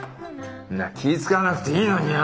んな気ぃ遣わなくていいのによ。